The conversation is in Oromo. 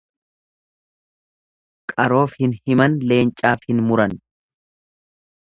Qaroof hin himan leencaaf hin muran.